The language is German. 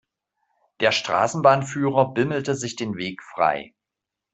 Der Straßenbahnführer bimmelte sich den Weg frei.